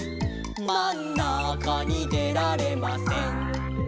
「まんなかにでられません」